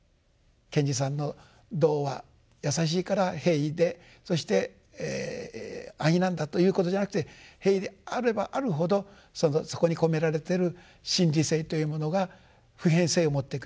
賢治さんの童話やさしいから平易でそして安易なんだということじゃなくて平易であればあるほどそこに込められてる真理性というものが普遍性を持ってくる。